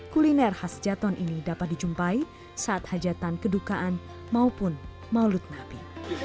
kuliner khas jaton ini dapat dijumpai saat hajatan kedukaan maupun maulud nabi